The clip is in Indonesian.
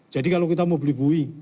jadi kalau kita mau beli bui